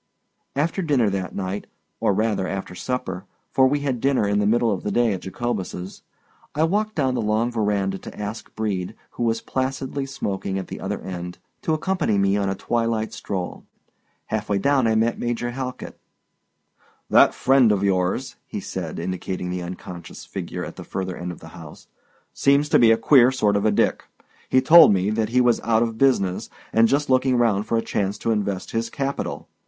After dinner that night—or rather, after supper, for we had dinner in the middle of the day at Jacobus's—I walked down the long verandah to ask Brede, who was placidly smoking at the other end, to accompany me on a twilight stroll. Half way down I met Major Halkit. "That friend of yours," he said, indicating the unconscious figure at the further end of the house, "seems to be a queer sort of a Dick. He told me that he was out of business, and just looking round for a chance to invest his capital.